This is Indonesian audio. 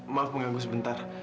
maaf mengganggu sebentar